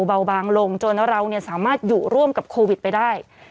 เบาบางลงจนเราสามารถอยู่ร่วมกับโควิดไปได้